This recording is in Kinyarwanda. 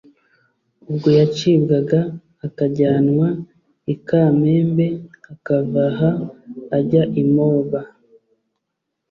ubwo yacibwaga akajyanwa i Kamembe akavaha ajya i Moba.